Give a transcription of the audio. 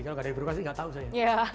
kalau tidak dari birokrasi tidak tahu saya